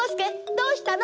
どうしたの？